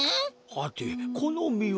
はてこのみは。